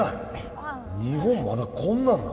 日本まだこんなんなん？